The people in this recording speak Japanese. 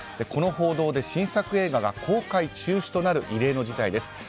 この報道で新作映画が公開中止となる異例の事態です。